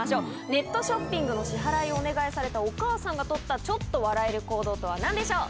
ネットショッピングの支払いをお願いされたお母さんがとったちょっと笑える行動とは何でしょう？